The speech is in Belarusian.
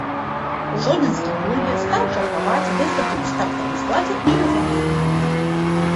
У жодзінскім клубе стаў чаргаваць выхады ў стартавым складзе і на замену.